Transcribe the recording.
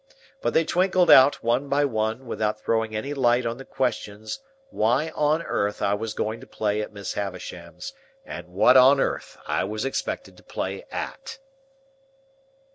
But they twinkled out one by one, without throwing any light on the questions why on earth I was going to play at Miss Havisham's, and what on earth I was expected to play at.